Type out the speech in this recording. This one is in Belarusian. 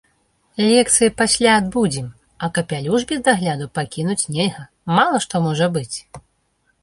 Лекцыі пасля адбудзем, а капялюш без дагляду пакінуць нельга, мала што можа быць.